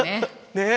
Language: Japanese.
ねえ。